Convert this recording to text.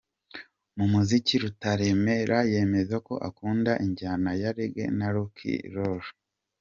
Mu muziki, Rutaremara yemeza ko akunda injyana ya Reggae na Rock n Roll.